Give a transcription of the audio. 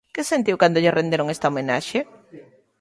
Que sentiu cando lle renderon esta homenaxe?